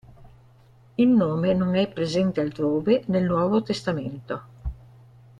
Il nome non è presente altrove nel Nuovo Testamento.